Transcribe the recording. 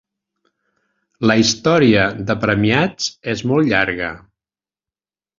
La història de premiats és molt llarga.